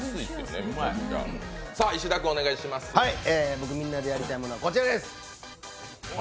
僕みんなでやりたいものはこちらです。